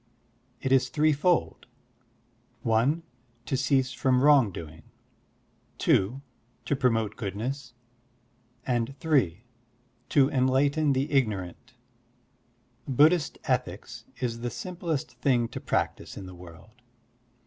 It is threefold: (i) to cease from wrong doing, (2) to promote goodness, and (3) to enlighten the ignorant. Buddhist ethics is the simplest thing to practise in the world.